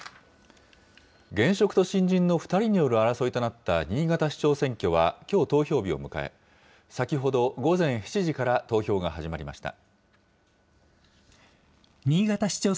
現職と新人の２人による争いとなった新潟市長選挙はきょう投票日を迎え、先ほど、午前７時から投票が始まりました。